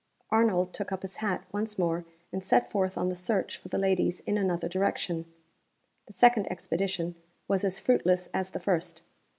Arnold took up his hat once more, and set forth on the search for the ladies in another direction. The second expedition was as fruitless as the first.